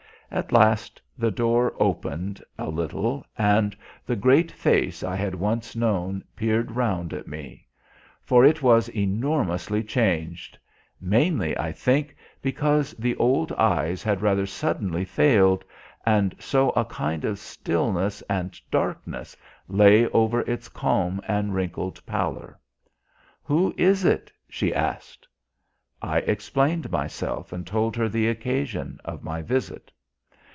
At last the door opened a little, and the great face I had once known peered round at me. For it was enormously changed; mainly, I think, because the old eyes had rather suddenly failed, and so a kind of stillness and darkness lay over its calm and wrinkled pallor. "Who is it?" she asked. I explained myself and told her the occasion of my visit.